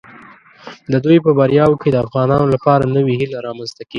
د دوی په بریاوو کې د افغانانو لپاره نوې هیله رامنځته کیږي.